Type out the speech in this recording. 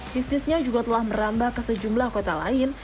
bisnisnya juga telah merambah ke sejumlah kota lain